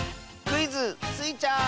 クイズ「スイちゃん」！